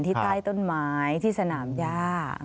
ใต้ต้นไม้ที่สนามย่า